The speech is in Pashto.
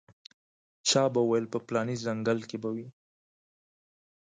چا به ویل په پلاني ځنګل کې وي به.